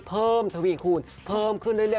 ทวีคูณเพิ่มขึ้นเรื่อย